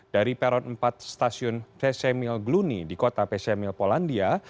dari peron empat stasiun pesemil gluni di kota pesemil polandia